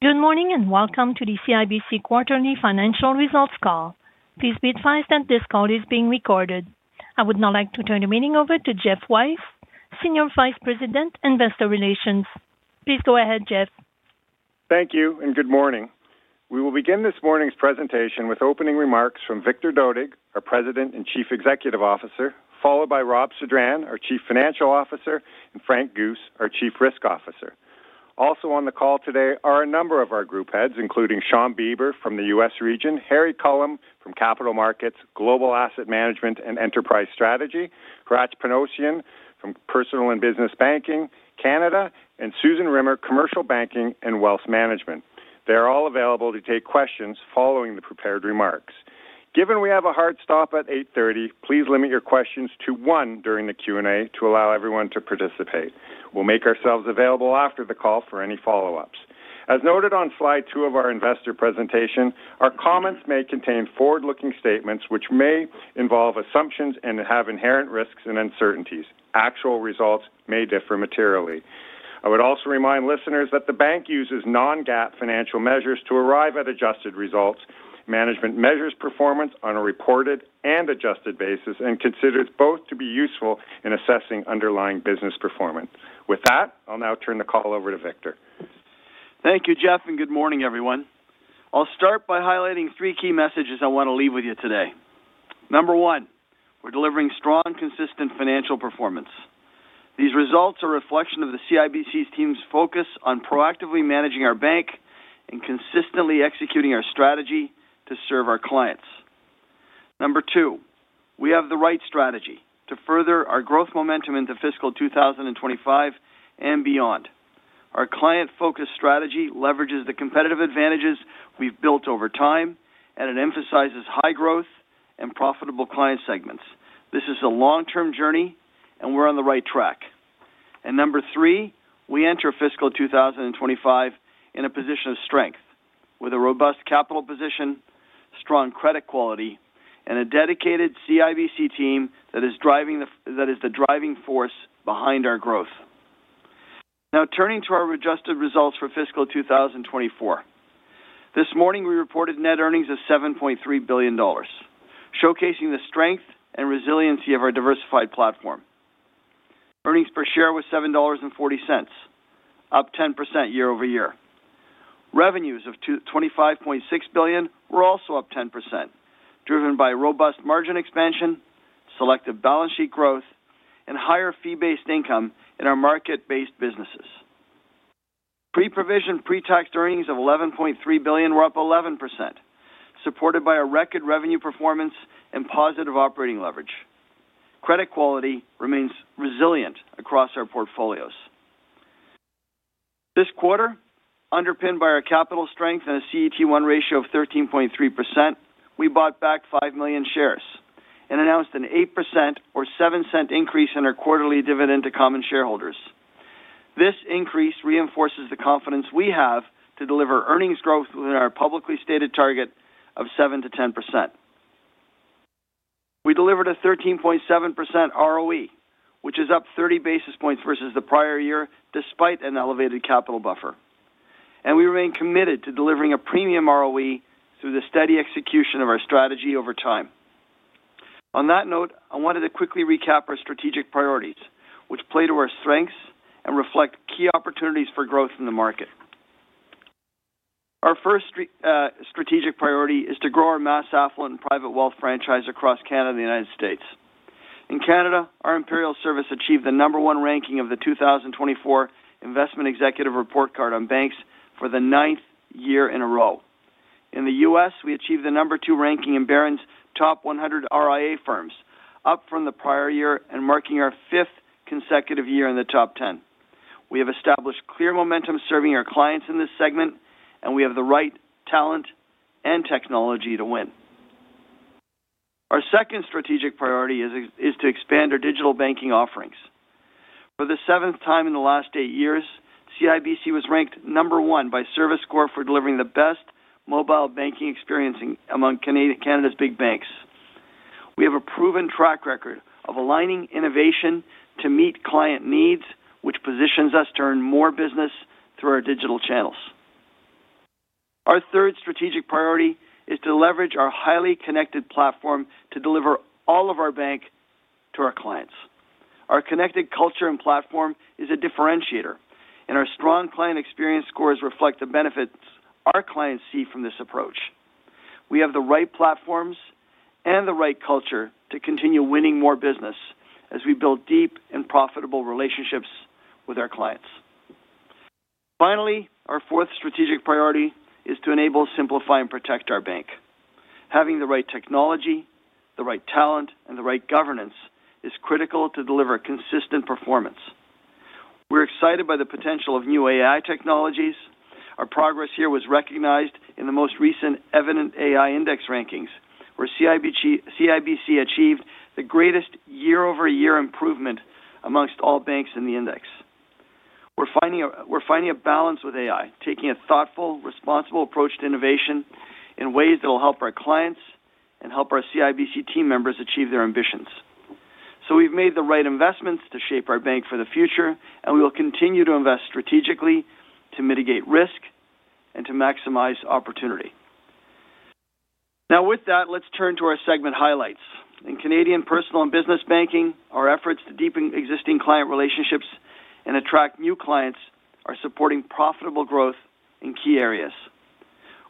Good morning and welcome to the CIBC quarterly financial results call. Please be advised that this call is being recorded. I would now like to turn the meeting over to Geoff Weiss, Senior Vice President, Investor Relations. Please go ahead, Geoff. Thank you and good morning. We will begin this morning's presentation with opening remarks from Victor Dodig, our President and Chief Executive Officer, followed by Rob Sedran, our Chief Financial Officer, and Frank Guse, our Chief Risk Officer. Also on the call today are a number of our group heads, including Shawn Beber from the U.S. Region, Harry Culham from Capital Markets, Global Asset Management and Enterprise Strategy, Hratch Panossian from Personal and Business Banking, Canada, and Susan Rimmer, Commercial Banking and Wealth Management. They are all available to take questions following the prepared remarks. Given we have a hard stop at 8:30 A.M., please limit your questions to one during the Q&A to allow everyone to participate. We'll make ourselves available after the call for any follow-ups. As noted on slide two of our investor presentation, our comments may contain forward-looking statements which may involve assumptions and have inherent risks and uncertainties. Actual results may differ materially. I would also remind listeners that the bank uses non-GAAP financial measures to arrive at adjusted results. Management measures performance on a reported and adjusted basis and considers both to be useful in assessing underlying business performance. With that, I'll now turn the call over to Victor. Thank you, Geoff, and good morning, everyone. I'll start by highlighting three key messages I want to leave with you today. Number one, we're delivering strong, consistent financial performance. These results are a reflection of the CIBC team's focus on proactively managing our bank and consistently executing our strategy to serve our clients. Number two, we have the right strategy to further our growth momentum into fiscal 2025 and beyond. Our client-focused strategy leverages the competitive advantages we've built over time, and it emphasizes high growth and profitable client segments. This is a long-term journey, and we're on the right track, and number three, we enter fiscal 2025 in a position of strength with a robust capital position, strong credit quality, and a dedicated CIBC team that is the driving force behind our growth. Now, turning to our adjusted results for fiscal 2024. This morning, we reported net earnings of $ 7.3 billion, showcasing the strength and resiliency of our diversified platform. Earnings per share was $ 7.40, up 10% year over year. Revenues of $ 25.6 billion were also up 10%, driven by robust margin expansion, selective balance sheet growth, and higher fee-based income in our market-based businesses. Pre-provision, pre-tax earnings of $ 11.3 billion were up 11%, supported by a record revenue performance and positive operating leverage. Credit quality remains resilient across our portfolios. This quarter, underpinned by our capital strength and a CET1 ratio of 13.3%, we bought back 5 million shares and announced an 8% or $ 0.07 increase in our quarterly dividend to common shareholders. This increase reinforces the confidence we have to deliver earnings growth within our publicly stated target of 7% to 10%. We delivered a 13.7% ROE, which is up 30 basis points versus the prior year despite an elevated capital buffer. And we remain committed to delivering a premium ROE through the steady execution of our strategy over time. On that note, I wanted to quickly recap our strategic priorities, which play to our strengths and reflect key opportunities for growth in the market. Our first strategic priority is to grow our mass affluent private wealth franchise across Canada and the United States. In Canada, our Imperial Service achieved the number one ranking of the 2024 Investment Executive Report Card on Banks for the ninth year in a row. In the U.S., we achieved the number two ranking in Barron's Top 100 RIA Firms, up from the prior year and marking our fifth consecutive year in the top 10. We have established clear momentum serving our clients in this segment, and we have the right talent and technology to win. Our second strategic priority is to expand our digital banking offerings. For the seventh time in the last eight years, CIBC was ranked number one by Surviscor for delivering the best mobile banking experience among Canada's big banks. We have a proven track record of aligning innovation to meet client needs, which positions us to earn more business through our digital channels. Our third strategic priority is to leverage our highly connected platform to deliver all of our bank to our clients. Our connected culture and platform is a differentiator, and our strong client experience scores reflect the benefits our clients see from this approach. We have the right platforms and the right culture to continue winning more business as we build deep and profitable relationships with our clients. Finally, our fourth strategic priority is to enable, simplify, and protect our bank. Having the right technology, the right talent, and the right governance is critical to deliver consistent performance. We're excited by the potential of new AI technologies. Our progress here was recognized in the most recent Evident AI Index rankings, where CIBC achieved the greatest year-over-year improvement among all banks in the index. We're finding a balance with AI, taking a thoughtful, responsible approach to innovation in ways that will help our clients and help our CIBC team members achieve their ambitions. So we've made the right investments to shape our bank for the future, and we will continue to invest strategically to mitigate risk and to maximize opportunity. Now, with that, let's turn to our segment highlights. In Canadian Personal and Business Banking, our efforts to deepen existing client relationships and attract new clients are supporting profitable growth in key areas.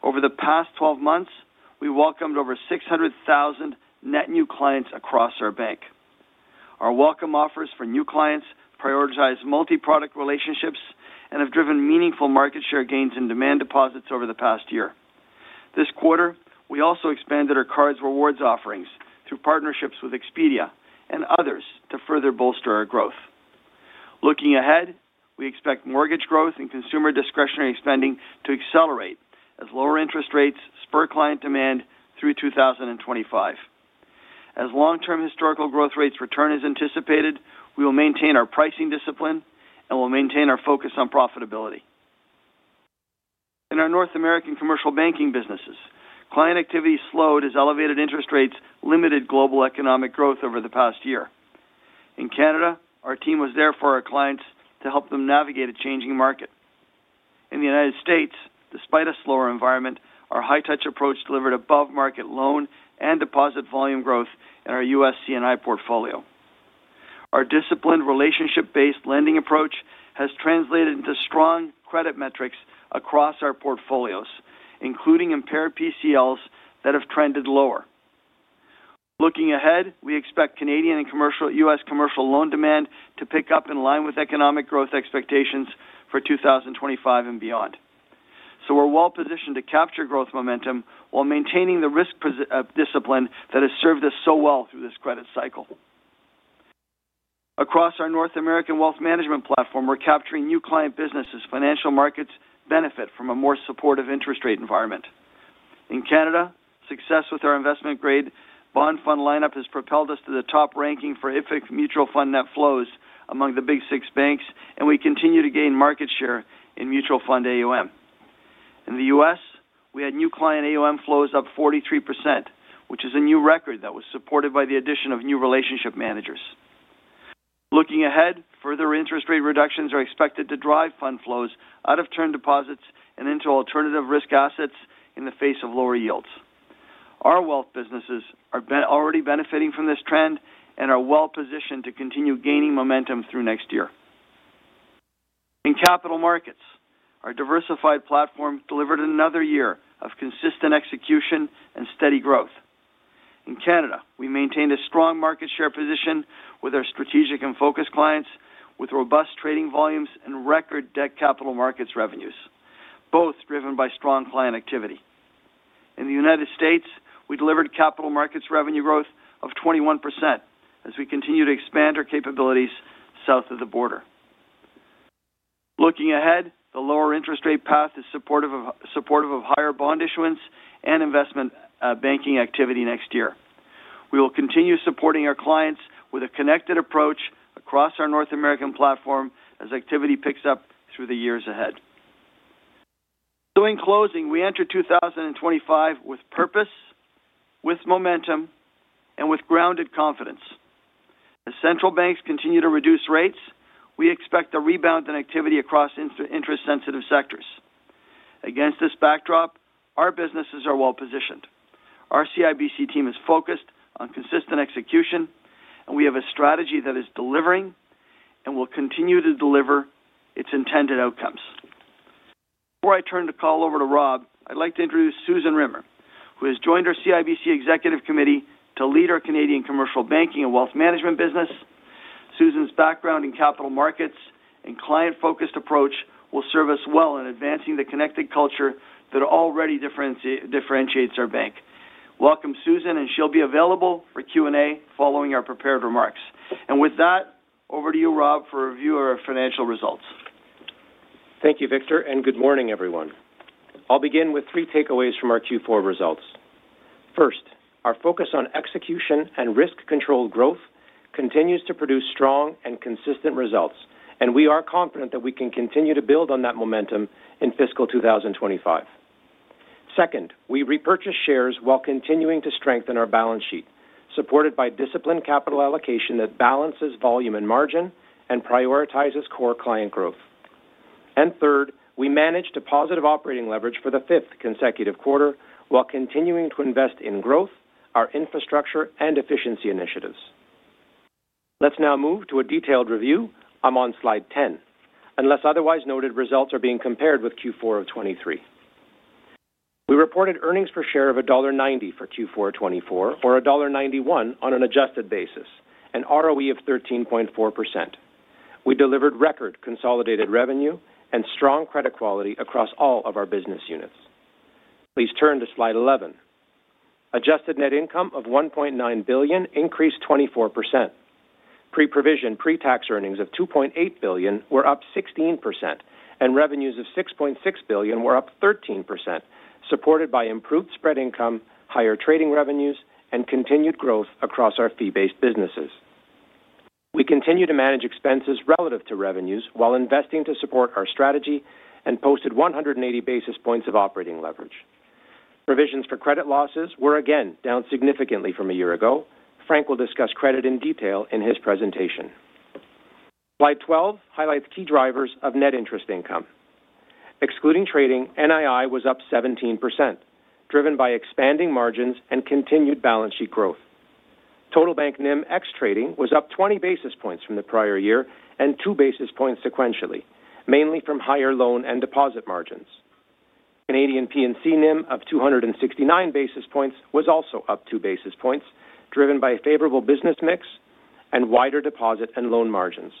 Over the past 12 months, we welcomed over 600,000 net new clients across our bank. Our welcome offers for new clients prioritize multi-product relationships and have driven meaningful market share gains in demand deposits over the past year. This quarter, we also expanded our cards rewards offerings through partnerships with Expedia and others to further bolster our growth. Looking ahead, we expect mortgage growth and consumer discretionary spending to accelerate as lower interest rates spur client demand through 2025. As long-term historical growth rates return as anticipated, we will maintain our pricing discipline and will maintain our focus on profitability. In our North American commercial banking businesses, client activity slowed as elevated interest rates limited global economic growth over the past year. In Canada, our team was there for our clients to help them navigate a changing market. In the United States, despite a slower environment, our high-touch approach delivered above-market loan and deposit volume growth in our U.S. C&I portfolio. Our disciplined relationship-based lending approach has translated into strong credit metrics across our portfolios, including impaired PCLs that have trended lower. Looking ahead, we expect Canadian and U.S. commercial loan demand to pick up in line with economic growth expectations for 2025 and beyond. So we're well positioned to capture growth momentum while maintaining the risk discipline that has served us so well through this credit cycle. Across our North American wealth management platform, we're capturing new client businesses. Financial markets benefit from a more supportive interest rate environment. In Canada, success with our investment-grade bond fund lineup has propelled us to the top ranking for IFIC mutual fund net flows among the big six banks, and we continue to gain market share in mutual fund AUM. In the U.S., we had new client AUM flows up 43%, which is a new record that was supported by the addition of new relationship managers. Looking ahead, further interest rate reductions are expected to drive fund flows out of term deposits and into alternative risk assets in the face of lower yields. Our wealth businesses are already benefiting from this trend and are well positioned to continue gaining momentum through next year. In Capital Markets, our diversified platform delivered another year of consistent execution and steady growth. In Canada, we maintained a strong market share position with our strategic and focused clients, with robust trading volumes and record debt Capital Markets revenues, both driven by strong client activity. In the United States, we delivered Capital Markets revenue growth of 21% as we continue to expand our capabilities south of the border. Looking ahead, the lower interest rate path is supportive of higher bond issuance and investment banking activity next year. We will continue supporting our clients with a connected approach across our North American platform as activity picks up through the years ahead. So in closing, we enter 2025 with purpose, with momentum, and with grounded confidence. As central banks continue to reduce rates, we expect a rebound in activity across interest-sensitive sectors. Against this backdrop, our businesses are well positioned. Our CIBC team is focused on consistent execution, and we have a strategy that is delivering and will continue to deliver its intended outcomes. Before I turn the call over to Rob, I'd like to introduce Susan Rimmer, who has joined our CIBC Executive Committee to lead our Canadian Commercial Banking and Wealth Management business. Susan's background in Capital Markets and client-focused approach will serve us well in advancing the connected culture that already differentiates our bank. Welcome, Susan, and she'll be available for Q&A following our prepared remarks. With that, over to you, Rob, for a review of our financial results. Thank you, Victor, and good morning, everyone. I'll begin with three takeaways from our Q4 results. First, our focus on execution and risk-controlled growth continues to produce strong and consistent results, and we are confident that we can continue to build on that momentum in fiscal 2025. Second, we repurchased shares while continuing to strengthen our balance sheet, supported by disciplined capital allocation that balances volume and margin and prioritizes core client growth. And third, we managed a positive operating leverage for the fifth consecutive quarter while continuing to invest in growth, our infrastructure, and efficiency initiatives. Let's now move to a detailed review on slide 10, unless otherwise noted, results are being compared with Q4 of 2023. We reported earnings per share of $1.90 for Q4 2024, or $ 1.91 on an adjusted basis, and ROE of 13.4%. We delivered record consolidated revenue and strong credit quality across all of our business units. Please turn to slide 11. Adjusted net income of $ 1.9 billion increased 24%. Pre-provision pre-tax earnings of $2.8 billion were up 16%, and revenues of $ 6.6 billion were up 13%, supported by improved spread income, higher trading revenues, and continued growth across our fee-based businesses. We continue to manage expenses relative to revenues while investing to support our strategy and posted 180 basis points of operating leverage. Provisions for credit losses were again down significantly from a year ago. Frank will discuss credit in detail in his presentation. Slide 12 highlights key drivers of net interest income. Excluding trading, NII was up 17%, driven by expanding margins and continued balance sheet growth. Total Bank NIM ex-trading was up 20 basis points from the prior year and two basis points sequentially, mainly from higher loan and deposit margins. Canadian P&C NIM of 269 basis points was also up two basis points, driven by a favorable business mix and wider deposit and loan margins.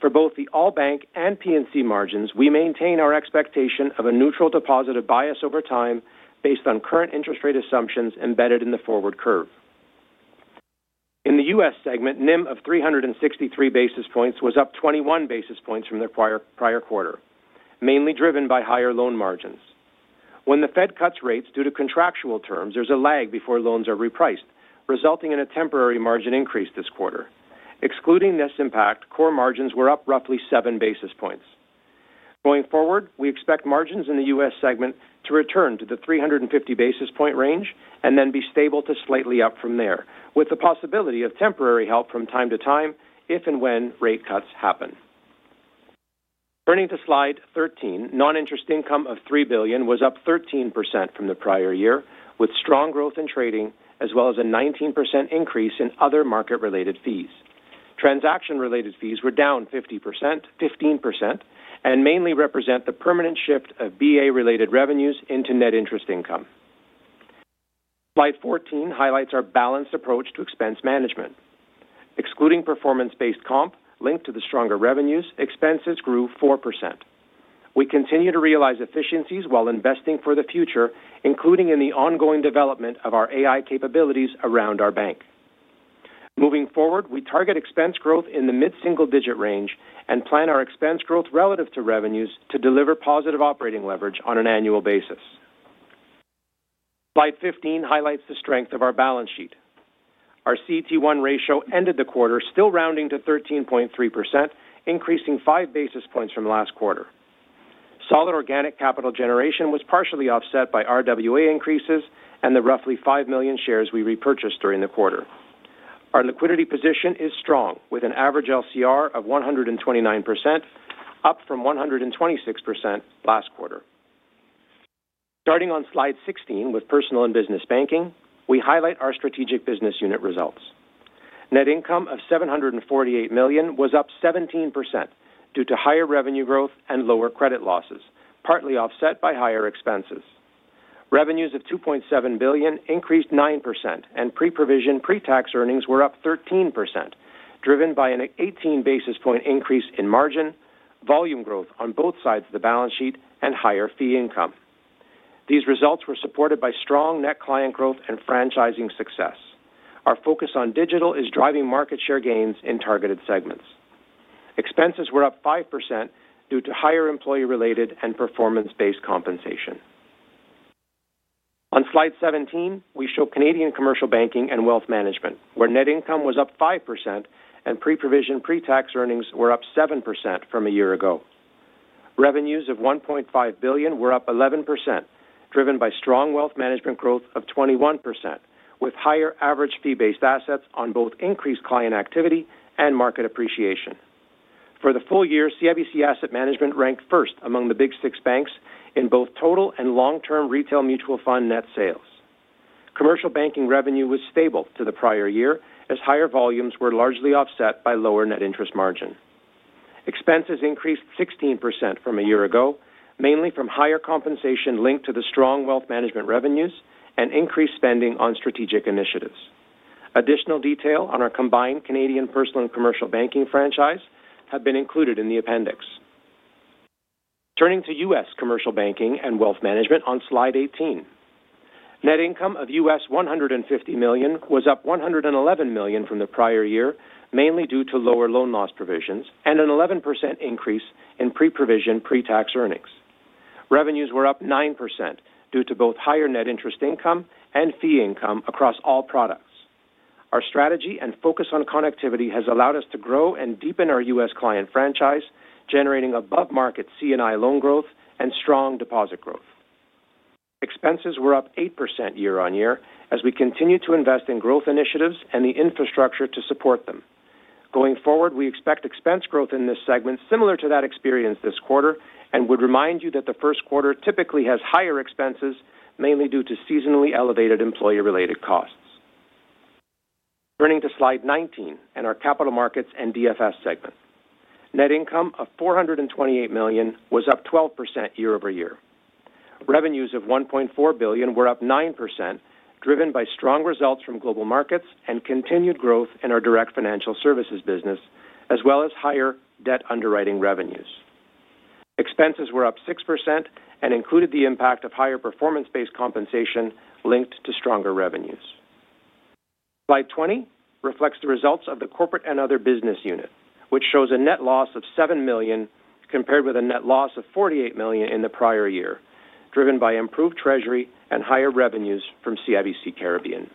For both the all-bank and P&C margins, we maintain our expectation of a neutral deposit beta over time based on current interest rate assumptions embedded in the forward curve. In the U.S. segment, NIM of 363 basis points was up 21 basis points from the prior quarter, mainly driven by higher loan margins. When the Fed cuts rates due to contractual terms, there's a lag before loans are repriced, resulting in a temporary margin increase this quarter. Excluding this impact, core margins were up roughly seven basis points. Going forward, we expect margins in the U.S. segment to return to the 350 basis point range and then be stable to slightly up from there, with the possibility of temporary help from time to time if and when rate cuts happen. Turning to slide 13, non-interest income of 3 billion was up 13% from the prior year, with strong growth in trading, as well as a 19% increase in other market-related fees. Transaction-related fees were down 15% and mainly represent the permanent shift of BA-related revenues into net interest income. Slide 14 highlights our balanced approach to expense management. Excluding performance-based comp linked to the stronger revenues, expenses grew 4%. We continue to realize efficiencies while investing for the future, including in the ongoing development of our AI capabilities around our bank. Moving forward, we target expense growth in the mid-single-digit range and plan our expense growth relative to revenues to deliver positive operating leverage on an annual basis. Slide 15 highlights the strength of our balance sheet. Our CET1 ratio ended the quarter still rounding to 13.3%, increasing five basis points from last quarter. Solid organic capital generation was partially offset by RWA increases and the roughly five million shares we repurchased during the quarter. Our liquidity position is strong with an average LCR of 129%, up from 126% last quarter. Starting on Slide 16 with Personal and Business Banking, we highlight our strategic business unit results. Net income of $748 million was up 17% due to higher revenue growth and lower credit losses, partly offset by higher expenses. Revenues of 2.7 billion increased 9%, and pre-provision pre-tax earnings were up 13%, driven by an 18 basis point increase in margin, volume growth on both sides of the balance sheet, and higher fee income. These results were supported by strong net client growth and franchising success. Our focus on digital is driving market share gains in targeted segments. Expenses were up 5% due to higher employee-related and performance-based compensation. On slide 17, we show Canadian Commercial Banking and Wealth Management, where net income was up 5% and pre-provision pre-tax earnings were up 7% from a year ago. Revenues of 1.5 billion were up 11%, driven by strong wealth management growth of 21%, with higher average fee-based assets on both increased client activity and market appreciation. For the full year, CIBC Asset Management ranked first among the big six banks in both total and long-term retail mutual fund net sales. Commercial banking revenue was stable to the prior year as higher volumes were largely offset by lower net interest margin. Expenses increased 16% from a year ago, mainly from higher compensation linked to the strong wealth management revenues and increased spending on strategic initiatives. Additional detail on our combined Canadian personal and commercial banking franchise have been included in the appendix. Turning to U.S. Commercial Banking and Wealth Management on slide 18. Net income of $150 million was up $111 million from the prior year, mainly due to lower loan loss provisions and an 11% increase in pre-provision pre-tax earnings. Revenues were up 9% due to both higher net interest income and fee income across all products. Our strategy and focus on connectivity has allowed us to grow and deepen our U.S. client franchise, generating above-market C&I loan growth and strong deposit growth. Expenses were up 8% year on year as we continue to invest in growth initiatives and the infrastructure to support them. Going forward, we expect expense growth in this segment similar to that experienced this quarter and would remind you that the first quarter typically has higher expenses, mainly due to seasonally elevated employee-related costs. Turning to slide 19 and our Capital Markets and DFS segment. Net income of $428 million was up 12% year over year. Revenues of $1.4 billion were up 9%, driven by strong results from Global Markets and continued growth in our Direct Financial Services business, as well as higher debt underwriting revenues. Expenses were up 6% and included the impact of higher performance-based compensation linked to stronger revenues. Slide 20 reflects the results of the Corporate and Other business unit, which shows a net loss of 7 million compared with a net loss of 48 million in the prior year, driven by improved treasury and higher revenues from CIBC Caribbean.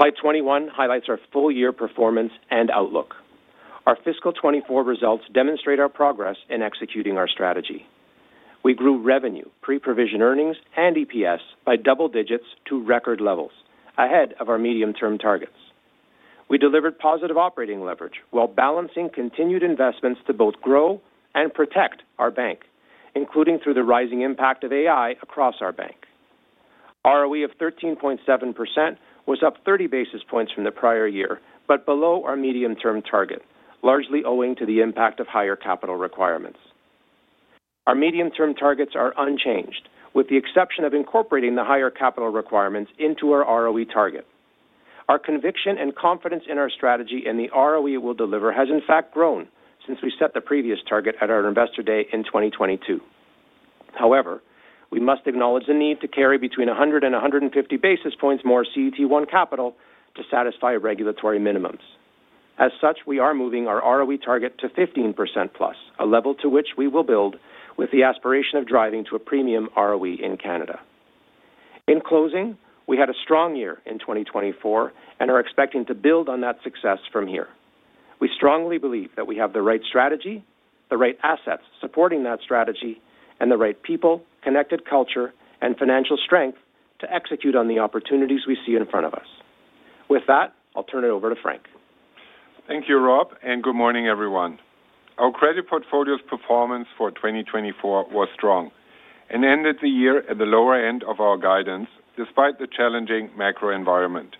Slide 21 highlights our full-year performance and outlook. Our fiscal 2024 results demonstrate our progress in executing our strategy. We grew revenue, pre-provisioned earnings, and EPS by double digits to record levels, ahead of our medium-term targets. We delivered positive operating leverage while balancing continued investments to both grow and protect our bank, including through the rising impact of AI across our bank. ROE of 13.7% was up 30 basis points from the prior year, but below our medium-term target, largely owing to the impact of higher capital requirements. Our medium-term targets are unchanged, with the exception of incorporating the higher capital requirements into our ROE target. Our conviction and confidence in our strategy and the ROE it will deliver has, in fact, grown since we set the previous target at our Investor Day in 2022. However, we must acknowledge the need to carry between 100 and 150 basis points more CET1 capital to satisfy regulatory minimums. As such, we are moving our ROE target to 15% plus, a level to which we will build with the aspiration of driving to a premium ROE in Canada. In closing, we had a strong year in 2024 and are expecting to build on that success from here. We strongly believe that we have the right strategy, the right assets supporting that strategy, and the right people, connected culture, and financial strength to execute on the opportunities we see in front of us. With that, I'll turn it over to Frank. Thank you, Rob, and good morning, everyone. Our credit portfolio's performance for 2024 was strong and ended the year at the lower end of our guidance despite the challenging macro environment.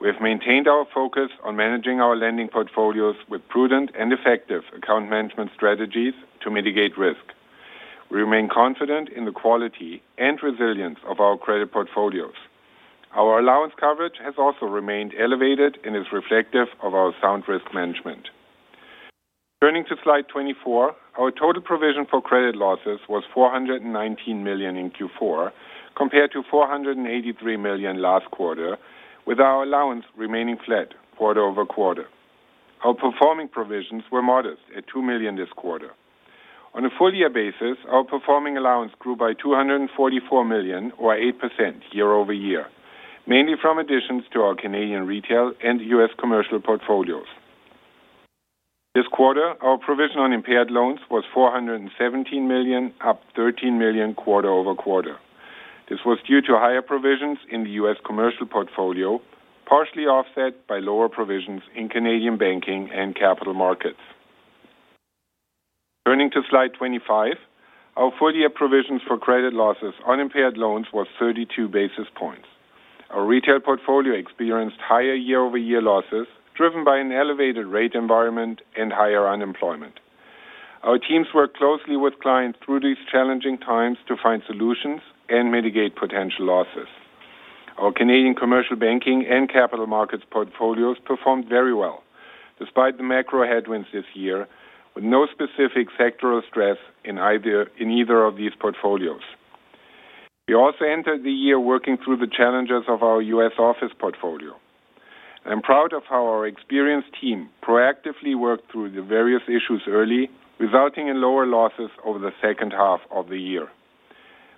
We have maintained our focus on managing our lending portfolios with prudent and effective account management strategies to mitigate risk. We remain confident in the quality and resilience of our credit portfolios. Our allowance coverage has also remained elevated and is reflective of our sound risk management. Turning to slide 24, our total provision for credit losses was 419 million in Q4 compared to 483 million last quarter, with our allowance remaining flat quarter over quarter. Our performing provisions were modest at 2 million this quarter. On a full-year basis, our performing allowance grew by 244 million, or 8% year over year, mainly from additions to our Canadian retail and US commercial portfolios. This quarter, our provision on impaired loans was 417 million, up 13 million quarter over quarter. This was due to higher provisions in the U.S. commercial portfolio, partially offset by lower provisions in Canadian banking and Capital Markets. Turning to slide 25, our full-year provisions for credit losses on impaired loans was 32 basis points. Our retail portfolio experienced higher year-over-year losses driven by an elevated rate environment and higher unemployment. Our teams worked closely with clients through these challenging times to find solutions and mitigate potential losses. Our Canadian Commercial Banking and Capital Markets portfolios performed very well despite the macro headwinds this year, with no specific sectoral stress in either of these portfolios. We also entered the year working through the challenges of our U.S. office portfolio. I'm proud of how our experienced team proactively worked through the various issues early, resulting in lower losses over the second half of the year.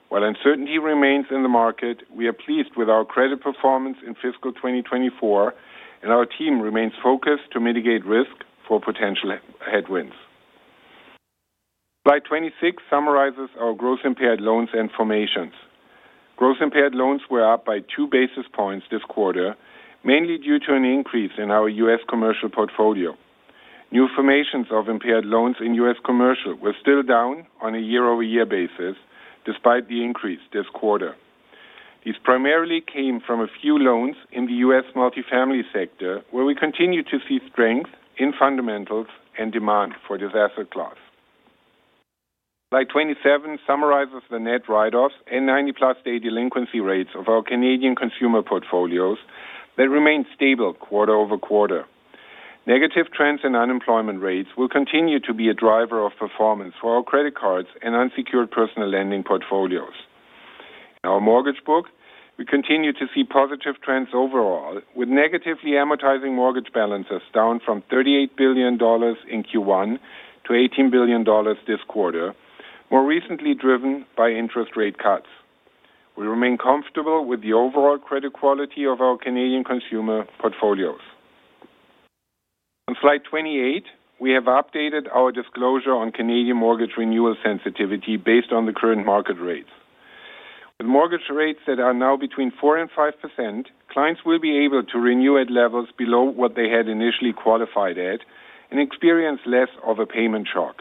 While uncertainty remains in the market, we are pleased with our credit performance in fiscal 2024, and our team remains focused to mitigate risk for potential headwinds. Slide 26 summarizes our gross impaired loans and formations. Gross impaired loans were up by two basis points this quarter, mainly due to an increase in our U.S. commercial portfolio. New formations of impaired loans in U.S. commercial were still down on a year-over-year basis despite the increase this quarter. These primarily came from a few loans in the U.S. multifamily sector, where we continue to see strength in fundamentals and demand for this asset class. Slide 27 summarizes the net write-offs and 90+ day delinquency rates of our Canadian consumer portfolios that remained stable quarter over quarter. Negative trends in unemployment rates will continue to be a driver of performance for our credit cards and unsecured personal lending portfolios. In our mortgage book, we continue to see positive trends overall, with negatively amortizing mortgage balances down from 38 billion dollars in Q1 to 18 billion dollars this quarter, more recently driven by interest rate cuts. We remain comfortable with the overall credit quality of our Canadian consumer portfolios. On slide 28, we have updated our disclosure on Canadian mortgage renewal sensitivity based on the current market rates. With mortgage rates that are now between 4% and 5%, clients will be able to renew at levels below what they had initially qualified at and experience less of a payment shock.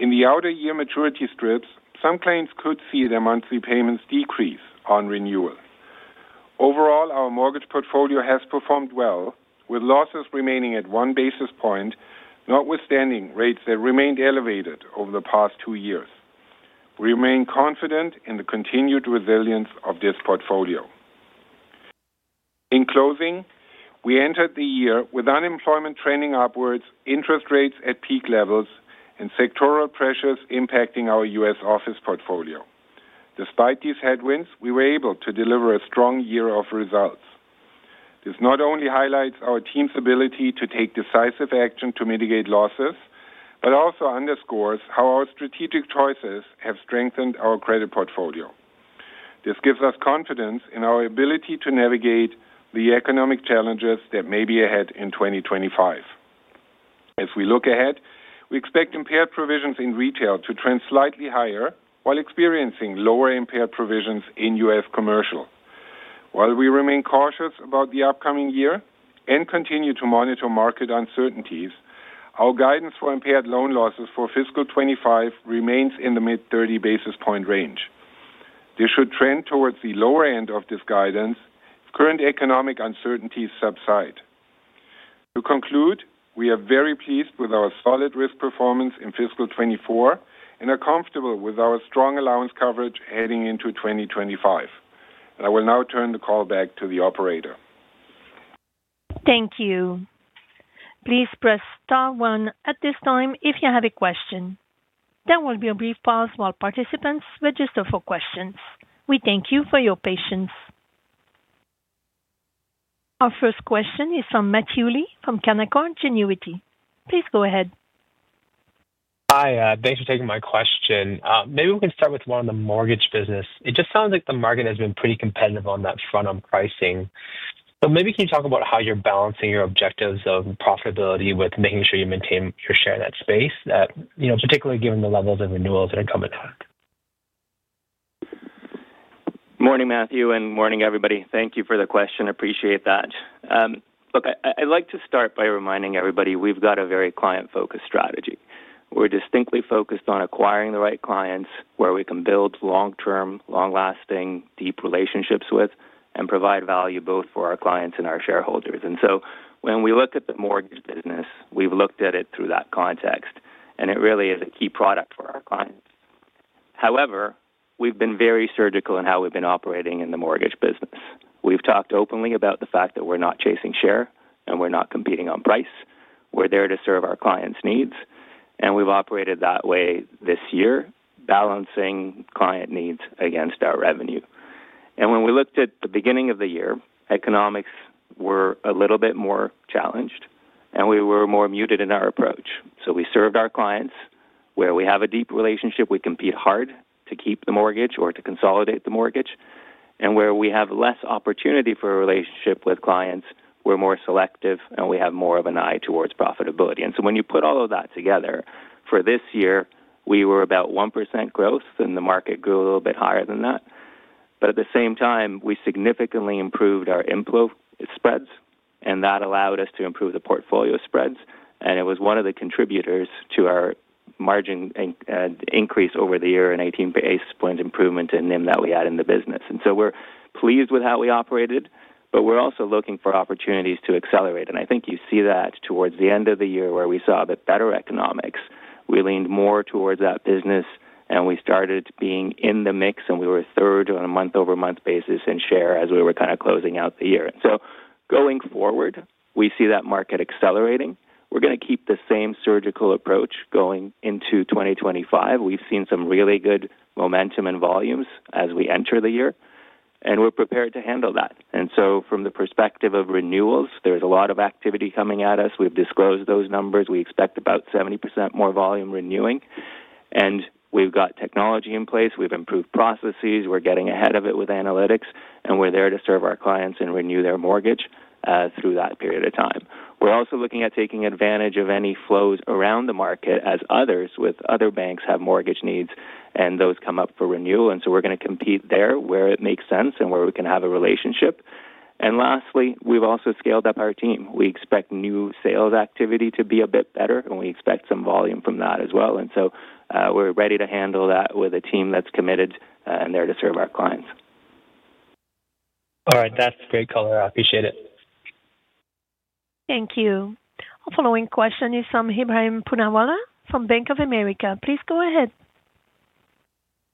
In the outer year maturity strips, some clients could see their monthly payments decrease on renewal. Overall, our mortgage portfolio has performed well, with losses remaining at one basis point, notwithstanding rates that remained elevated over the past two years. We remain confident in the continued resilience of this portfolio. In closing, we entered the year with unemployment trending upwards, interest rates at peak levels, and sectoral pressures impacting our U.S. office portfolio. Despite these headwinds, we were able to deliver a strong year of results. This not only highlights our team's ability to take decisive action to mitigate losses, but also underscores how our strategic choices have strengthened our credit portfolio. This gives us confidence in our ability to navigate the economic challenges that may be ahead in 2025. As we look ahead, we expect impaired provisions in retail to trend slightly higher while experiencing lower impaired provisions in U.S. commercial. While we remain cautious about the upcoming year and continue to monitor market uncertainties, our guidance for impaired loan losses for fiscal 2025 remains in the mid-30 basis points range. This should trend towards the lower end of this guidance if current economic uncertainties subside. To conclude, we are very pleased with our solid risk performance in fiscal 2024 and are comfortable with our strong allowance coverage heading into 2025. I will now turn the call back to the operator. Thank you. Please press star one at this time if you have a question. There will be a brief pause while participants register for questions. We thank you for your patience. Our first question is from Matthew Lee from Canaccord Genuity. Please go ahead. Hi, thanks for taking my question. Maybe we can start with one on the mortgage business. It just sounds like the market has been pretty competitive on that front on pricing. So maybe can you talk about how you're balancing your objectives of profitability with making sure you maintain your share in that space, particularly given the levels of renewals that are coming up? Morning, Matthew, and morning, everybody. Thank you for the question. Appreciate that. Look, I'd like to start by reminding everybody we've got a very client-focused strategy. We're distinctly focused on acquiring the right clients where we can build long-term, long-lasting, deep relationships with and provide value both for our clients and our shareholders, and so when we look at the mortgage business, we've looked at it through that context, and it really is a key product for our clients. However, we've been very surgical in how we've been operating in the mortgage business. We've talked openly about the fact that we're not chasing share and we're not competing on price. We're there to serve our clients' needs, and we've operated that way this year, balancing client needs against our revenue. And when we looked at the beginning of the year, economics were a little bit more challenged, and we were more muted in our approach. So we served our clients where we have a deep relationship, we compete hard to keep the mortgage or to consolidate the mortgage, and where we have less opportunity for a relationship with clients, we're more selective, and we have more of an eye towards profitability. And so when you put all of that together, for this year, we were about 1% growth, and the market grew a little bit higher than that. But at the same time, we significantly improved our inflow spreads, and that allowed us to improve the portfolio spreads, and it was one of the contributors to our margin increase over the year and 18 basis points improvement in NIM that we had in the business. We're pleased with how we operated, but we're also looking for opportunities to accelerate. I think you see that towards the end of the year where we saw the better economics. We leaned more towards that business, and we started being in the mix, and we were third on a month-over-month basis in share as we were kind of closing out the year. Going forward, we see that market accelerating. We're going to keep the same surgical approach going into 2025. We've seen some really good momentum and volumes as we enter the year, and we're prepared to handle that. From the perspective of renewals, there's a lot of activity coming at us. We've disclosed those numbers. We expect about 70% more volume renewing, and we've got technology in place. We've improved processes. We're getting ahead of it with analytics, and we're there to serve our clients and renew their mortgage through that period of time. We're also looking at taking advantage of any flows around the market as others with other banks have mortgage needs, and those come up for renewal, and so we're going to compete there where it makes sense and where we can have a relationship, and lastly, we've also scaled up our team. We expect new sales activity to be a bit better, and we expect some volume from that as well, and so we're ready to handle that with a team that's committed and there to serve our clients. All right. That's great color. I appreciate it. Thank you. Our following question is from Ebrahim Poonawala from Bank of America. Please go ahead.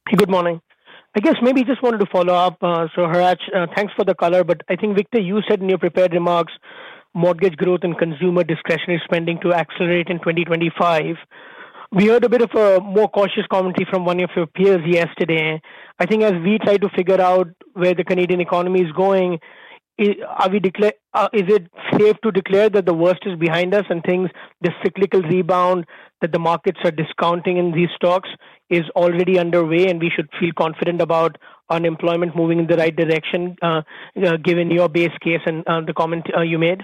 Hey, good morning. I guess maybe just wanted to follow up. So Hratch, thanks for the color, but I think Victor, you said in your prepared remarks, mortgage growth and consumer discretionary spending to accelerate in 2025. We heard a bit of a more cautious commentary from one of your peers yesterday. I think as we try to figure out where the Canadian economy is going, is it safe to declare that the worst is behind us and things the cyclical rebound that the markets are discounting in these stocks is already underway and we should feel confident about unemployment moving in the right direction given your base case and the comment you made?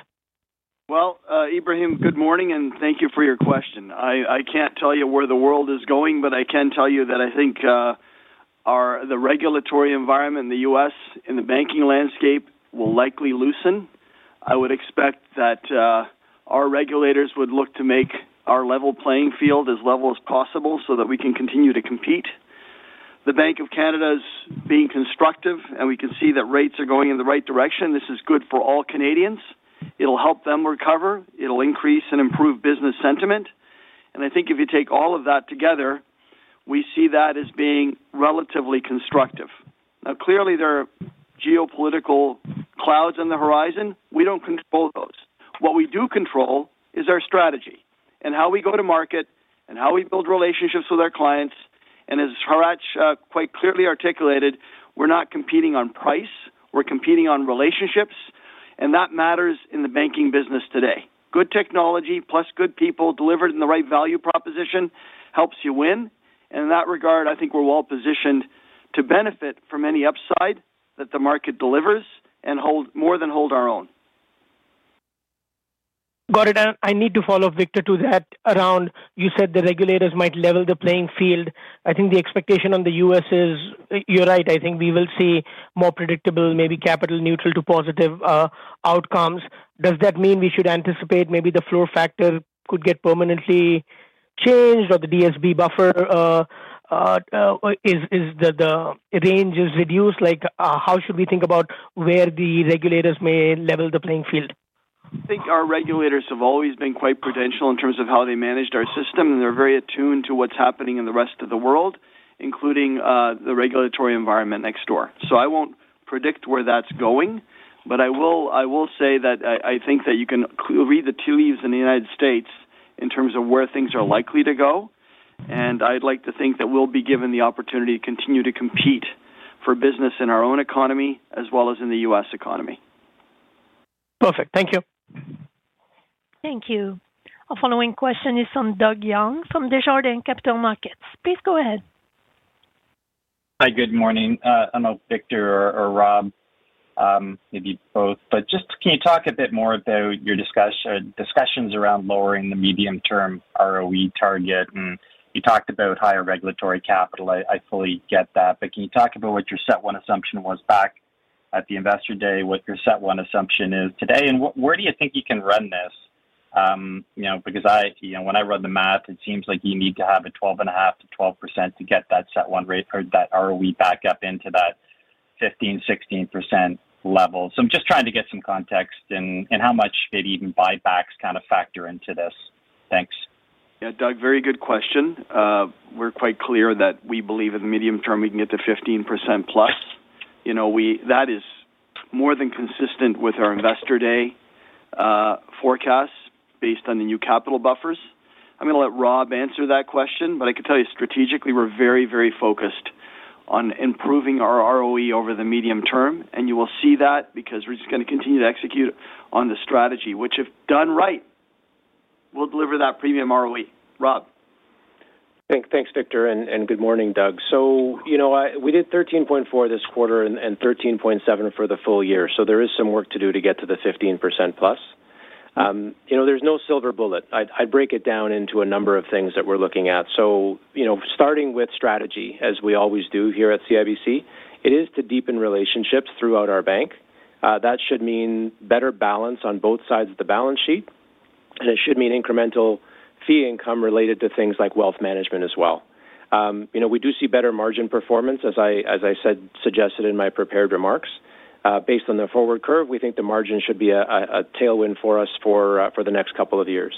Ebrahim, good morning, and thank you for your question. I can't tell you where the world is going, but I can tell you that I think the regulatory environment in the U.S. and the banking landscape will likely loosen. I would expect that our regulators would look to make our level playing field as level as possible so that we can continue to compete. The Bank of Canada is being constructive, and we can see that rates are going in the right direction. This is good for all Canadians. It'll help them recover. It'll increase and improve business sentiment. And I think if you take all of that together, we see that as being relatively constructive. Now, clearly, there are geopolitical clouds on the horizon. We don't control those. What we do control is our strategy and how we go to market and how we build relationships with our clients. And as Hratch quite clearly articulated, we're not competing on price. We're competing on relationships, and that matters in the banking business today. Good technology plus good people delivered in the right value proposition helps you win. And in that regard, I think we're well positioned to benefit from any upside that the market delivers and more than hold our own. Got it. And I need to follow up, Victor, to that around you said the regulators might level the playing field. I think the expectation on the US is you're right. I think we will see more predictable, maybe capital neutral to positive outcomes. Does that mean we should anticipate maybe the floor factor could get permanently changed or the DSB buffer is the range is reduced? How should we think about where the regulators may level the playing field? I think our regulators have always been quite prudential in terms of how they managed our system, and they're very attuned to what's happening in the rest of the world, including the regulatory environment next door, so I won't predict where that's going, but I will say that I think that you can read the tea leaves in the United States in terms of where things are likely to go, and I'd like to think that we'll be given the opportunity to continue to compete for business in our own economy as well as in the U.S. economy. Perfect. Thank you. Thank you. Our following question is from Doug Young from Desjardins Capital Markets. Please go ahead. Hi, good morning. I don't know if Victor or Rob, maybe both, but just can you talk a bit more about your discussions around lowering the medium-term ROE target? And you talked about higher regulatory capital. I fully get that. But can you talk about what your CET1 assumption was back at the Investor Day, what your CET1 assumption is today, and where do you think you can run this? Because when I run the math, it seems like you need to have a 12.5%-12% to get that CET1 rate or that ROE back up into that 15%-16% level. So I'm just trying to get some context in how much maybe even buybacks kind of factor into this. Thanks. Yeah, Doug, very good question. We're quite clear that we believe in the medium term, we can get to 15% plus. That is more than consistent with our Investor Day forecasts based on the new capital buffers. I'm going to let Rob answer that question, but I can tell you strategically, we're very, very focused on improving our ROE over the medium term. And you will see that because we're just going to continue to execute on the strategy, which if done right, we'll deliver that premium ROE. Rob. Thanks, Victor, and good morning, Doug. So we did 13.4% this quarter and 13.7% for the full year. So there is some work to do to get to the 15% plus. There's no silver bullet. I'd break it down into a number of things that we're looking at. So starting with strategy, as we always do here at CIBC, it is to deepen relationships throughout our bank. That should mean better balance on both sides of the balance sheet, and it should mean incremental fee income related to things like wealth management as well. We do see better margin performance, as I said, suggested in my prepared remarks. Based on the forward curve, we think the margin should be a tailwind for us for the next couple of years.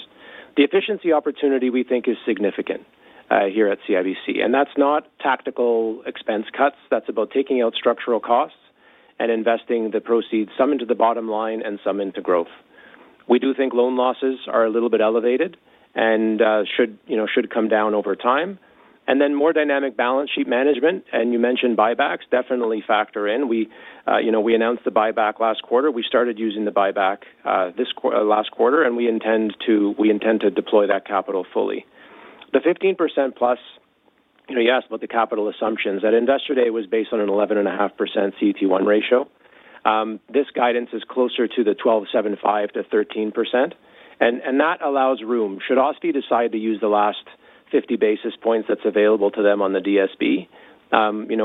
The efficiency opportunity we think is significant here at CIBC. And that's not tactical expense cuts. That's about taking out structural costs and investing the proceeds, some into the bottom line and some into growth. We do think loan losses are a little bit elevated and should come down over time. And then more dynamic balance sheet management, and you mentioned buybacks, definitely factor in. We announced the buyback last quarter. We started using the buyback last quarter, and we intend to deploy that capital fully. The 15% plus, you asked about the capital assumptions. At Investor Day, it was based on an 11.5% CET1 ratio. This guidance is closer to the 12.75%-13%. And that allows room. Should OSFI decide to use the last 50 basis points that's available to them on the DSB,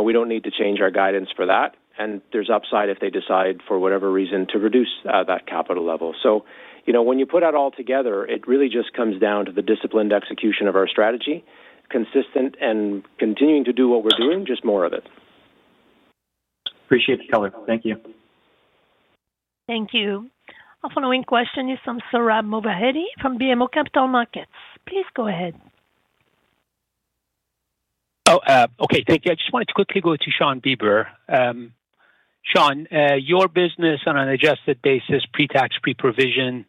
we don't need to change our guidance for that. And there's upside if they decide for whatever reason to reduce that capital level. So when you put that all together, it really just comes down to the disciplined execution of our strategy, consistent and continuing to do what we're doing, just more of it. Appreciate the color. Thank you. Thank you. Our following question is from Sohrab Movahedi from BMO Capital Markets. Please go ahead. Oh, okay. Thank you. I just wanted to quickly go to Shawn Beber. Shawn, your business on an adjusted basis, pre-tax, pre-provision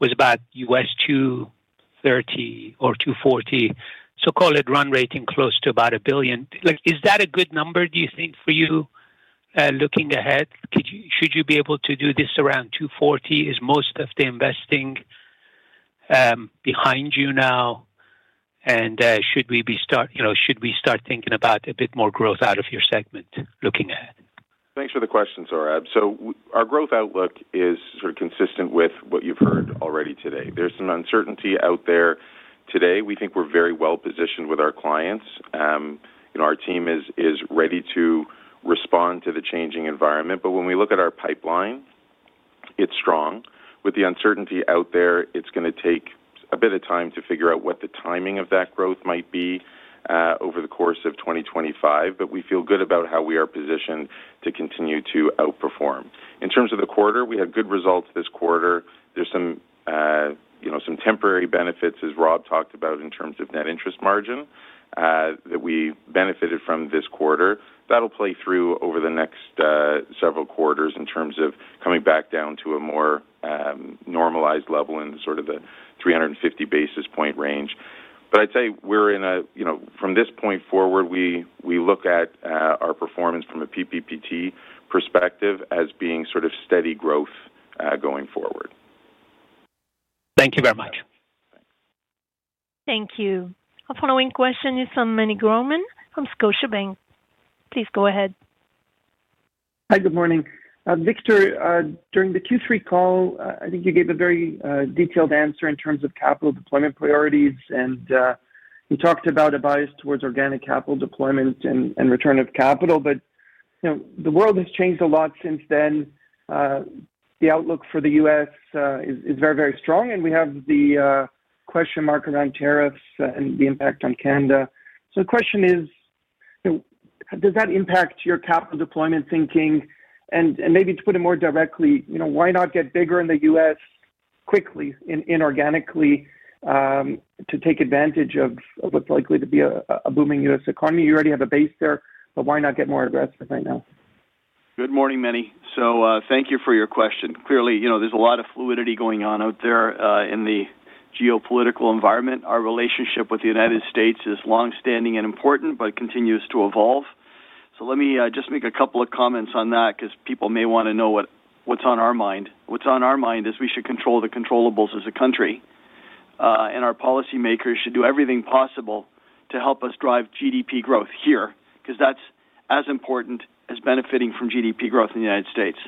was about $230 or $240. So call it run rating close to about a billion. Is that a good number, do you think, for you looking ahead? Should you be able to do this around 240? Is most of the investing behind you now? And should we start thinking about a bit more growth out of your segment looking ahead? Thanks for the question, Sohrab. So our growth outlook is sort of consistent with what you've heard already today. There's some uncertainty out there today. We think we're very well positioned with our clients. Our team is ready to respond to the changing environment. But when we look at our pipeline, it's strong. With the uncertainty out there, it's going to take a bit of time to figure out what the timing of that growth might be over the course of 2025. But we feel good about how we are positioned to continue to outperform. In terms of the quarter, we had good results this quarter. There's some temporary benefits, as Rob talked about, in terms of net interest margin that we benefited from this quarter. That'll play through over the next several quarters in terms of coming back down to a more normalized level in sort of the 350 basis point range. But I'd say we're in a from this point forward, we look at our performance from a PPPT perspective as being sort of steady growth going forward. Thank you very much. Thank you. Our following question is from Meny Grauman from Scotiabank. Please go ahead. Hi, good morning. Victor, during the Q3 call, I think you gave a very detailed answer in terms of capital deployment priorities, and you talked about a bias towards organic capital deployment and return of capital. But the world has changed a lot since then. The outlook for the U.S. is very, very strong, and we have the question mark around tariffs and the impact on Canada. So the question is, does that impact your capital deployment thinking? And maybe to put it more directly, why not get bigger in the U.S. quickly inorganically to take advantage of what's likely to be a booming U.S. economy? You already have a base there, but why not get more aggressive right now? Good morning, Meny. So thank you for your question. Clearly, there's a lot of fluidity going on out there in the geopolitical environment. Our relationship with the United States is longstanding and important but continues to evolve. So let me just make a couple of comments on that because people may want to know what's on our mind. What's on our mind is we should control the controllables as a country, and our policymakers should do everything possible to help us drive GDP growth here because that's as important as benefiting from GDP growth in the United States.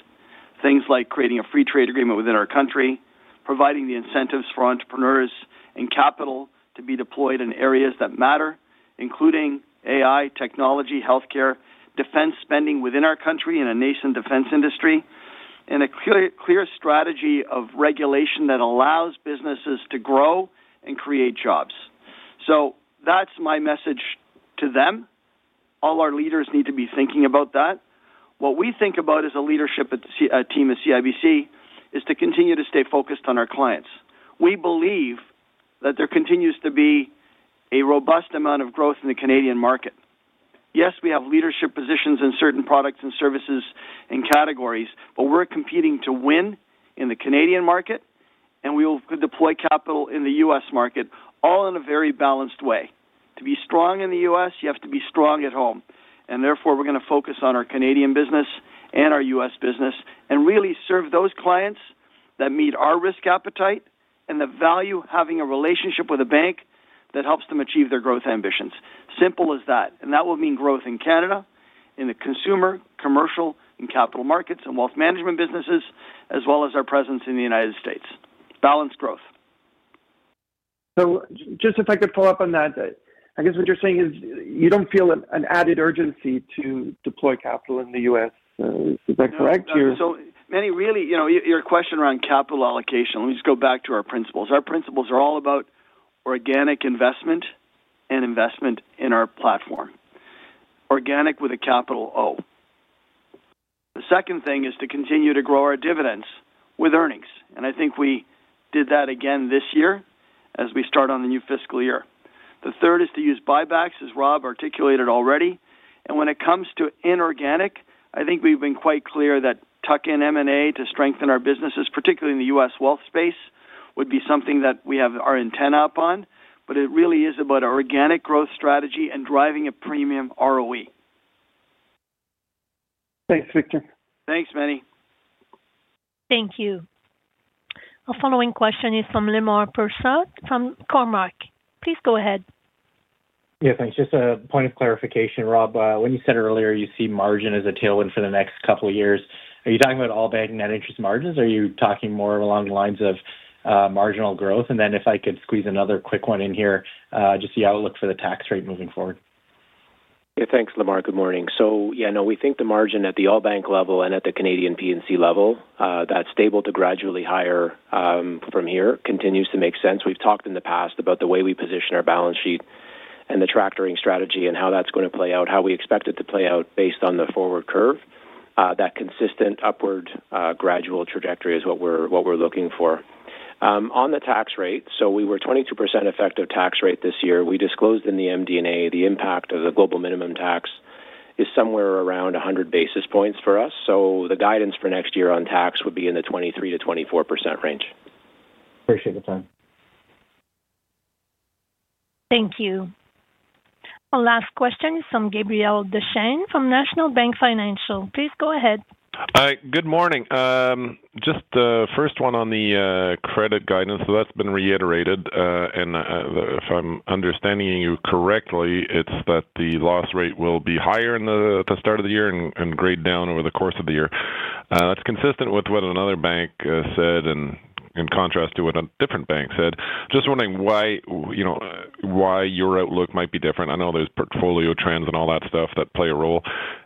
Things like creating a free trade agreement within our country, providing the incentives for entrepreneurs and capital to be deployed in areas that matter, including AI, technology, healthcare, defense spending within our country and a nascent defense industry, and a clear strategy of regulation that allows businesses to grow and create jobs. So that's my message to them. All our leaders need to be thinking about that. What we think about as a leadership team at CIBC is to continue to stay focused on our clients. We believe that there continues to be a robust amount of growth in the Canadian market. Yes, we have leadership positions in certain products and services and categories, but we're competing to win in the Canadian market, and we will deploy capital in the U.S. market, all in a very balanced way. To be strong in the U.S., you have to be strong at home. And therefore, we're going to focus on our Canadian business and our US business and really serve those clients that meet our risk appetite and the value of having a relationship with a bank that helps them achieve their growth ambitions. Simple as that. That will mean growth in Canada, in the consumer, commercial, and Capital Markets and wealth management businesses, as well as our presence in the United States. Balanced growth. So just if I could follow up on that, I guess what you're saying is you don't feel an added urgency to deploy capital in the U.S. Is that correct? Meny, really, your question around capital allocation, let me just go back to our principles. Our principles are all about organic investment and investment in our platform. Organic with a capital O. The second thing is to continue to grow our dividends with earnings. And I think we did that again this year as we start on the new fiscal year. The third is to use buybacks, as Rob articulated already. And when it comes to inorganic, I think we've been quite clear that tuck-in M&A to strengthen our businesses, particularly in the U.S. wealth space, would be something that we have our eye on. But it really is about our organic growth strategy and driving a premium ROE. Thanks, Victor. Thanks, Meny. Thank you. Our following question is from Lemar Persaud from Cormark. Please go ahead. Yeah, thanks. Just a point of clarification, Rob. When you said earlier you see margin as a tailwind for the next couple of years, are you talking about all bank net interest margins or are you talking more along the lines of marginal growth? And then if I could squeeze another quick one in here, just the outlook for the tax rate moving forward. Yeah, thanks, Lemar. Good morning. So yeah, no, we think the margin at the all bank level and at the Canadian P&C level, that's stable to gradually higher from here, continues to make sense. We've talked in the past about the way we position our balance sheet and the tractoring strategy and how that's going to play out, how we expect it to play out based on the forward curve. That consistent upward gradual trajectory is what we're looking for. On the tax rate, so we were 22% effective tax rate this year. We disclosed in the MD&A the impact of the global minimum tax is somewhere around 100 basis points for us. So the guidance for next year on tax would be in the 23%-24% range. Appreciate the time. Thank you. Our last question is from Gabriel Dechaine from National Bank Financial. Please go ahead. Good morning. Just the first one on the credit guidance, so that's been reiterated, and if I'm understanding you correctly, it's that the loss rate will be higher at the start of the year and trend down over the course of the year. That's consistent with what another bank said and in contrast to what a different bank said. Just wondering why your outlook might be different. I know there's portfolio trends and all that stuff that play a role.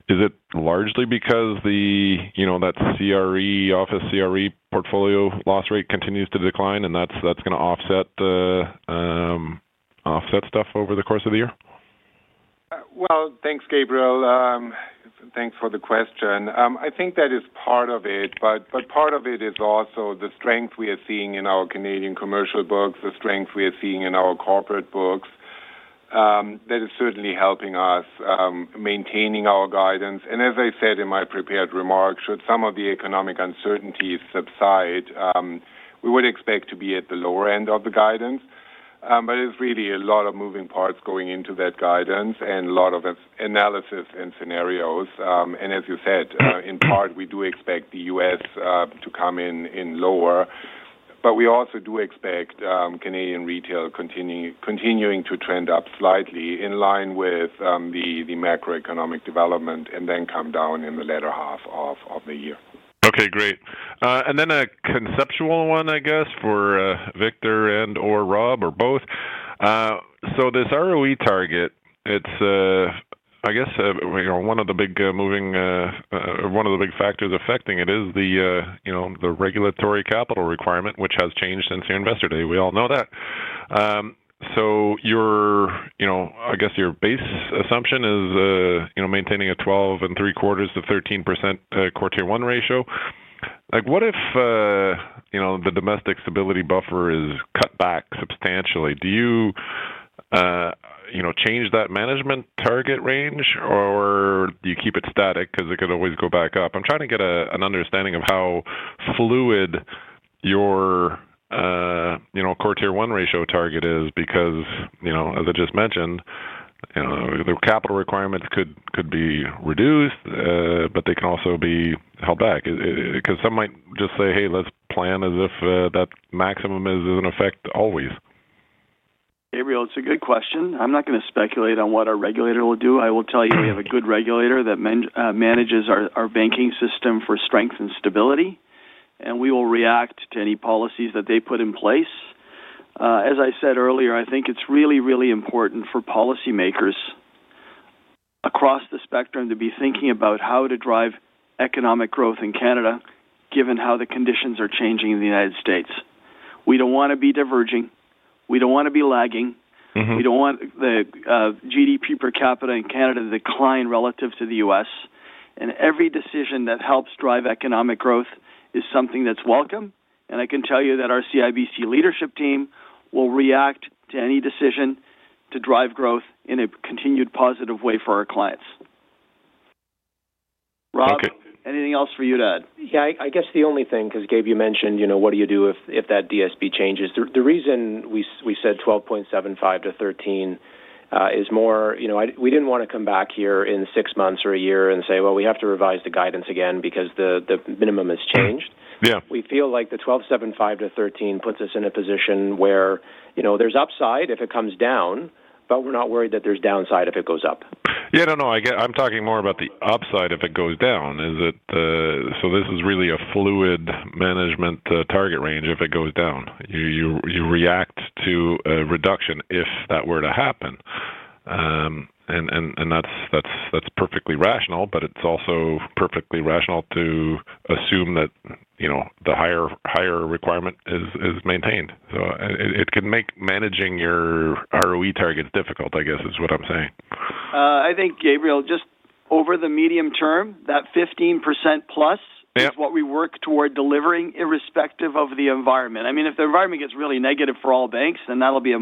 Is it largely because that CRE, Office CRE portfolio loss rate continues to decline and that's going to offset stuff over the course of the year? Thanks, Gabriel. Thanks for the question. I think that is part of it, but part of it is also the strength we are seeing in our Canadian commercial books, the strength we are seeing in our corporate books that is certainly helping us maintaining our guidance, and as I said in my prepared remark, should some of the economic uncertainties subside, we would expect to be at the lower end of the guidance, but it's really a lot of moving parts going into that guidance and a lot of analysis and scenarios, and as you said, in part, we do expect the U.S. to come in lower, but we also do expect Canadian retail continuing to trend up slightly in line with the macroeconomic development and then come down in the latter half of the year. Okay, great. And then a conceptual one, I guess, for Victor and/or Rob or both. So this ROE target, it's, I guess, one of the big moving or one of the big factors affecting it is the regulatory capital requirement, which has changed since your Investor Day. We all know that. So I guess your base assumption is maintaining a 12.75%-13% CET1 ratio. What if the Domestic Stability Buffer is cut back substantially? Do you change that management target range or do you keep it static because it could always go back up? I'm trying to get an understanding of how fluid your CET1 ratio target is because, as I just mentioned, the capital requirements could be reduced, but they can also be held back because some might just say, "Hey, let's plan as if that maximum is in effect always. Gabriel, it's a good question. I'm not going to speculate on what our regulator will do. I will tell you we have a good regulator that manages our banking system for strength and stability, and we will react to any policies that they put in place. As I said earlier, I think it's really, really important for policymakers across the spectrum to be thinking about how to drive economic growth in Canada given how the conditions are changing in the United States. We don't want to be diverging. We don't want to be lagging. We don't want the GDP per capita in Canada to decline relative to the U.S. And every decision that helps drive economic growth is something that's welcome. And I can tell you that our CIBC leadership team will react to any decision to drive growth in a continued positive way for our clients. Rob, anything else for you to add? Yeah, I guess the only thing, because Gabe, you mentioned what do you do if that DSB changes. The reason we said 12.75-13 is more we didn't want to come back here in six months or a year and say, "Well, we have to revise the guidance again because the minimum has changed." We feel like the 12.75-13 puts us in a position where there's upside if it comes down, but we're not worried that there's downside if it goes up. Yeah, no, no. I'm talking more about the upside if it goes down. So this is really a fluid management target range if it goes down. You react to a reduction if that were to happen. And that's perfectly rational, but it's also perfectly rational to assume that the higher requirement is maintained. So it can make managing your ROE targets difficult, I guess, is what I'm saying. I think, Gabriel, just over the medium term, that 15% plus is what we work toward delivering irrespective of the environment. I mean, if the environment gets really negative for all banks, then that'll be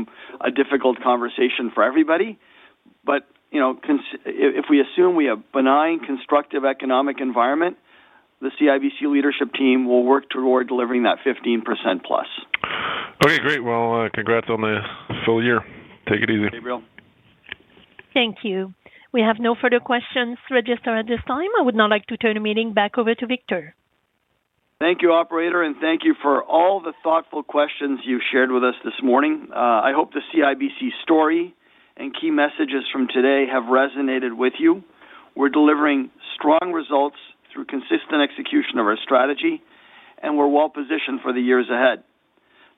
a difficult conversation for everybody. But if we assume we have a benign constructive economic environment, the CIBC leadership team will work toward delivering that 15% plus. Okay, great. Well, congrats on the full year. Take it easy. Gabriel. Thank you. We have no further questions registered at this time. I would now like to turn the meeting back over to Victor. Thank you, Operator, and thank you for all the thoughtful questions you've shared with us this morning. I hope the CIBC story and key messages from today have resonated with you. We're delivering strong results through consistent execution of our strategy, and we're well positioned for the years ahead.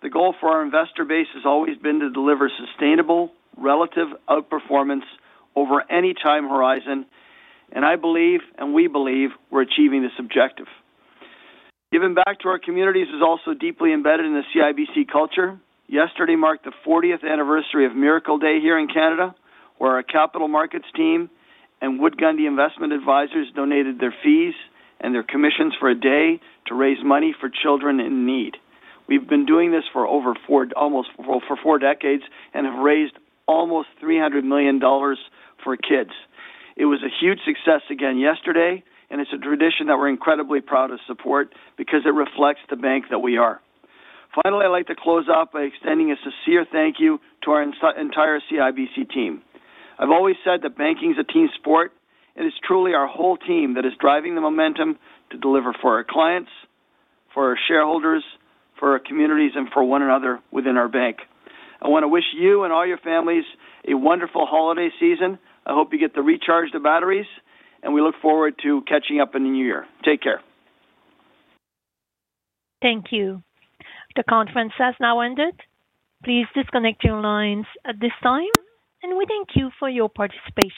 The goal for our investor base has always been to deliver sustainable relative outperformance over any time horizon, and I believe, and we believe, we're achieving this objective. Giving back to our communities is also deeply embedded in the CIBC culture. Yesterday marked the 40th anniversary of Miracle Day here in Canada, where our Capital Markets team and Wood Gundy investment advisors donated their fees and their commissions for a day to raise money for children in need. We've been doing this for almost four decades and have raised almost 300 million dollars for kids. It was a huge success again yesterday, and it's a tradition that we're incredibly proud to support because it reflects the bank that we are. Finally, I'd like to close up by extending a sincere thank you to our entire CIBC team. I've always said that banking is a team sport, and it's truly our whole team that is driving the momentum to deliver for our clients, for our shareholders, for our communities, and for one another within our bank. I want to wish you and all your families a wonderful holiday season. I hope you get to recharge the batteries, and we look forward to catching up in the new year. Take care. Thank you. The conference has now ended. Please disconnect your lines at this time, and we thank you for your participation.